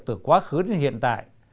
từ quá khứ đến hiện tại